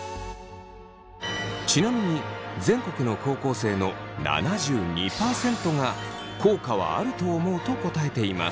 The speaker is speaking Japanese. ちなみに全国の高校生の７２％が効果はあると思うと答えています。